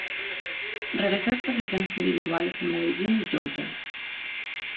Realizó exposiciones individuales en Medellín y Georgia.